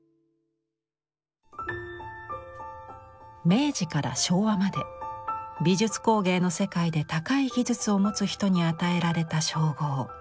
明治から昭和まで美術工芸の世界で高い技術を持つ人に与えられた称号